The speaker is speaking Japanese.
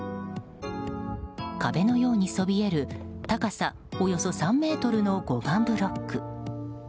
壁のようにそびえる高さおよそ３ｍの護岸ブロック。